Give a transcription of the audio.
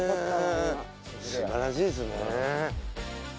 素晴らしいですね。